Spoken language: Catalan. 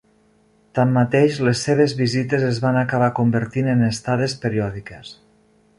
Tanmateix, les seves visites es van acabar convertint en estades periòdiques.